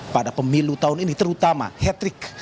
pada pemilu tahun ini terutama hetrik